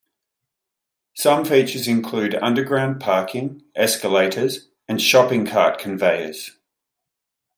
Some features include underground parking, escalators, and shopping cart conveyors.